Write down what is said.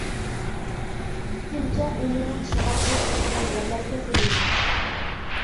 چۈنچە ئومۇمەن شامال ئۇرۇپ تۇرىدىغان يەرلەرگە سېلىنىدۇ.